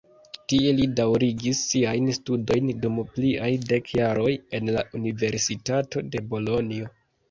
Tie li daŭrigis siajn studojn dum pliaj dek jaroj en la Universitato de Bolonjo.